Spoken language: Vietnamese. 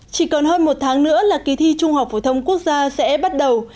chỉ còn hơn một tháng nữa là kỳ thi trung học phổ thông quốc gia sẽ bắt đầu